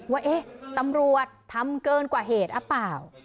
ว่าเอ๊ะตำรวจทำเกินกว่าเหตุหรือเปล่า